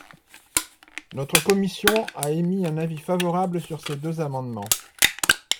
Notre commission a émis un avis favorable sur ces deux amendements.